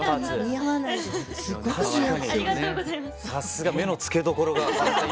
さっすが目の付けどころが。